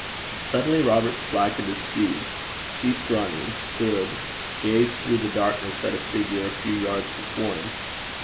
Suddenly Robert slackened his speed, ceased running, stood, gazed through the darkness at a figure a few yards before him.